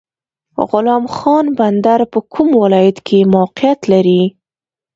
غلام خان بندر په کوم ولایت کې موقعیت لري؟